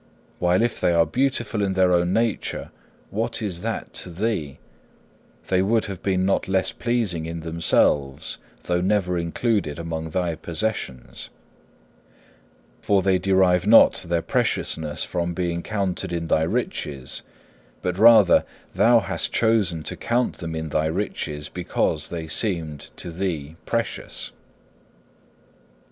While if they are beautiful in their own nature, what is that to thee? They would have been not less pleasing in themselves, though never included among thy possessions. For they derive not their preciousness from being counted in thy riches, but rather thou hast chosen to count them in thy riches because they seemed to thee precious.